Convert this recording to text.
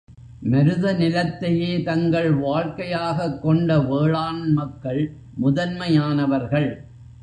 மருதநிலத்தையே தங்கள் வாழ்க்கை யாகக் கொண்ட வேளாண் மக்கள், முதன்மையானவர்கள்.